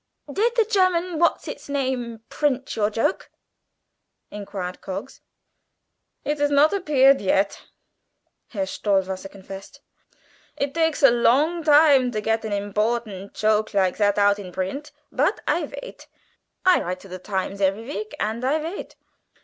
"Did the German what's its name print your joke?" inquired Coggs. "It has not appeared yet," Herr Stohwasser confessed; "it takes a long time to get an imbortant choke like that out in brint. But I vait I write to ze editor every week and I vait."